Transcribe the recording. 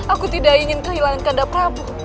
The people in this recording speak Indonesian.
aku tidak ingin kehilangan kanda prabu